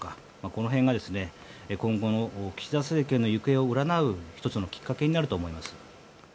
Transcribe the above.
この辺が今後の岸田政権の行方を占う１つのきっかけになると思います。